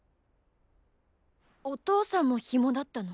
お父さんもヒモだったの？